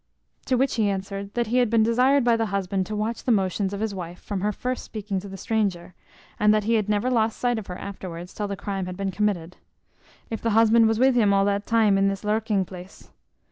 To which he answered, "That he had been desired by the husband to watch the motions of his wife from her first speaking to the stranger, and that he had never lost sight of her afterwards till the crime had been committed." The king then asked, "if the husband was with him all that time in his lurking place?"